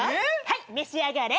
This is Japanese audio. はい召し上がれ。